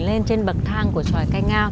lên trên bậc thang của tròi canh ngao